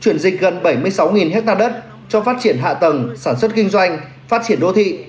chuyển dịch gần bảy mươi sáu ha đất cho phát triển hạ tầng sản xuất kinh doanh phát triển đô thị